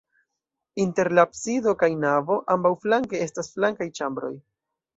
Inter la absido kaj navo ambaŭflanke estas flankaj ĉambroj.